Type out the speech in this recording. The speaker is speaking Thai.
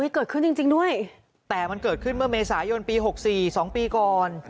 เกิดขึ้นจริงด้วยแต่มันเกิดขึ้นเมื่อเมษายนปี๖๔๒ปีก่อน